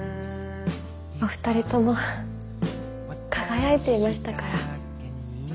お二人とも輝いていましたから。